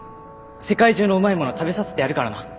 世界中のうまいもの食べさせてやるからな！